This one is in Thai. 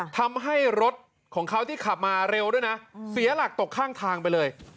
ทำให้รถของเขาที่ขับมาเร็วด้วยนะเสียหลักตกข้างทางไปเลย